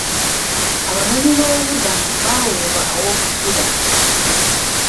Abanoonyiboobubuddamu baaweebwa aw'okusula.